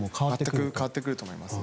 全く変わってくると思います。